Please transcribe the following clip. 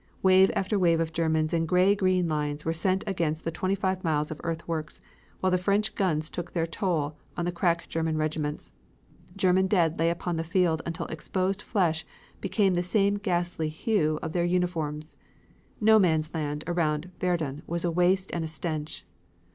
Wave after wave of Germans in gray green lines were sent against the twenty five miles of earthworks, while the French guns took their toll of the crack German regiments. German dead lay upon the field until exposed flesh became the same ghastly hue of their uniforms. No Man's Land around Verdun was a waste and a stench.